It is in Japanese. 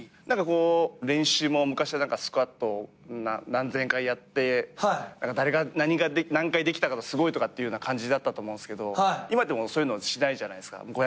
何かこう練習も昔はスクワット何千回やって誰が何が何回できたすごいとかっていうような感じだったと思うんすけど今ってもうそういうのしないじゃないですか。